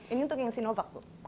ini untuk yang sinovac bu